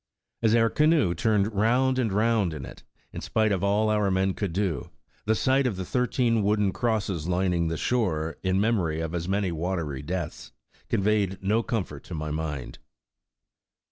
As our canoe turned round and round in it, in spite of all our men could do, the sight 113 The Original John Jacob Astor of thirteen wooden crosses lining the shore, in memory of as many watery deaths, conveyed no comfort to my mind."